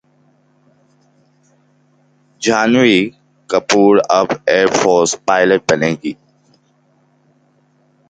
جھانوی کپور اب air force pilot بنیں گی